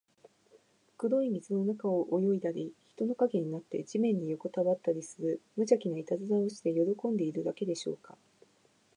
黒い水の中を泳いだり、人の影になって地面によこたわったりする、むじゃきないたずらをして喜んでいるだけでしょうか。